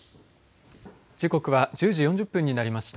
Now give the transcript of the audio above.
時刻は１０時４０分になりました。